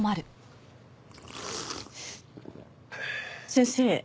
先生。